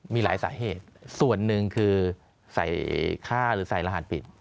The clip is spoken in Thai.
มีหลายสาเหตุส่วนหนึ่งคือใส่ค่าหรือใส่รหัสปิด